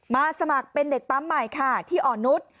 สมัครเป็นเด็กปั๊มใหม่ค่ะที่อ่อนนุษย์